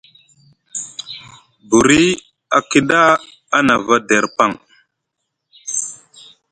Buri a kiɗa a nava der paŋ,